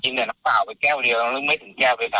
กินแบบน้ำเปล่าไปแก้วเดียวแล้วไม่ถึงแก้วไปซ้ำอะ